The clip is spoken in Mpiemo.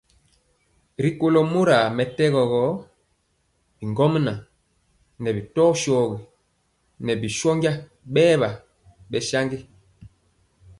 Rikólo mora mɛtɛgɔ gɔ bigɔmŋa ŋɛɛ bi tɔ shogi ŋɛɛ bi shónja bɛɛwa bɛnja.